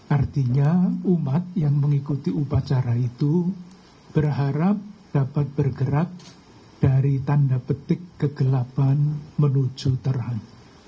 artinya umat yang mengikuti upacara itu berharap dapat bergerak dari tanda petik kegelapan menuju terhad